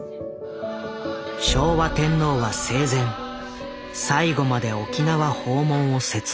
昭和天皇は生前最後まで沖縄訪問を切望していた。